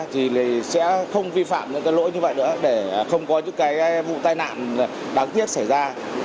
thì sẽ không vi phạm những cái lỗi như vậy nữa để không có những cái vụ tai nạn đáng tiếc xảy ra